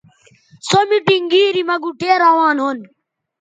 سو میٹنگ گیری مہ گوٹھے روان ھُون